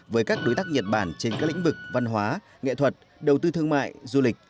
với các đối tác nhật bản trên các lĩnh vực văn hóa nghệ thuật đầu tư thương mại du lịch